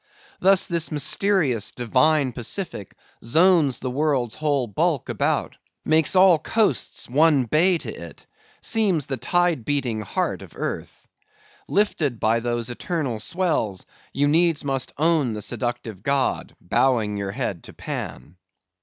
Thus this mysterious, divine Pacific zones the world's whole bulk about; makes all coasts one bay to it; seems the tide beating heart of earth. Lifted by those eternal swells, you needs must own the seductive god, bowing your head to Pan.